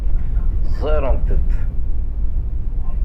Ẓẓarent-t.